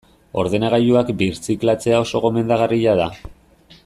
Ordenagailuak birziklatzea oso gomendagarria da.